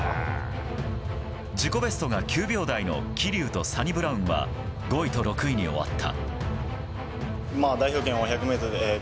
自己ベストが９秒台の桐生とサニブラウンは５位と６位に終わった。